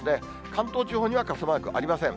関東地方には傘マークありません。